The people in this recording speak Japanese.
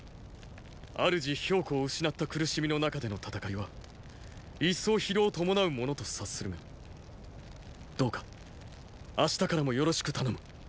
主公を失った苦しみの中での戦いは一層疲労を伴うものと察するがどうか明日からもよろしく頼む。